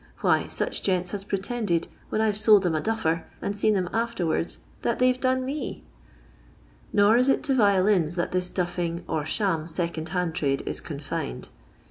Why, such gents has pretended, when I 've sold 'em a duffer, and seen them afterwards, that they've done 9mI" Nor is it to violins that this duffing or sham second hand trade is confined.